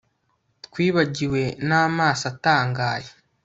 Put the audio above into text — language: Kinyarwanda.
Twibagiwe namaso atangaye